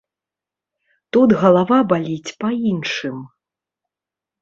Тут галава баліць па іншым.